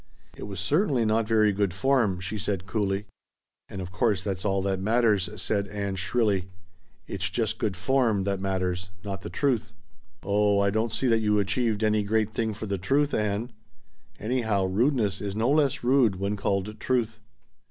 "It was certainly not very good form," she said coolly. "And of course that's all that matters," said Ann shrilly. "It's just good form that matters not the truth." "Oh I don't see that you achieved any great thing for the truth, Ann. Anyhow, rudeness is no less rude when called truth."